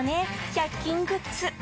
１００均グッズ。